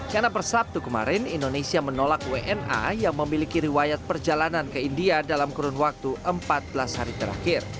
karena persabtu kemarin indonesia menolak wna yang memiliki riwayat perjalanan ke india dalam kurun waktu empat belas hari terakhir